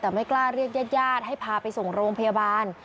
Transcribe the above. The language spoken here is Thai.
แต่ไม่กล้าเรียกญาติญาติให้พาไปส่งโรงพยาบาล